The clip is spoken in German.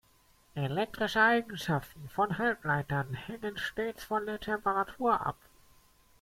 Elektrische Eigenschaften von Halbleitern hängen stets von der Temperatur ab.